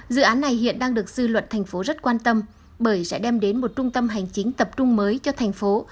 dự án này hiện đang được sư luận thành phố rất quan tâm bởi sẽ đem đến một trung tâm hành chính tập trung mới cho thành phố